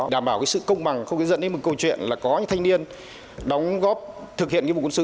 đảm bảo sự công bằng không dẫn đến một câu chuyện là có những thanh niên đóng góp thực hiện nghĩa vụ quân sự